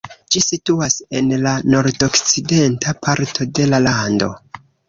Ĝi situas en la nordokcidenta parto de la lando.